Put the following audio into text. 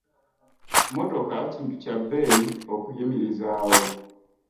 Mmotoka kintu kya bbeeyi okuyimirizaawo.